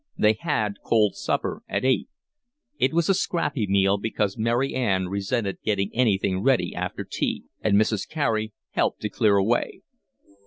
They had cold supper at eight. It was a scrappy meal because Mary Ann resented getting anything ready after tea, and Mrs. Carey helped to clear away.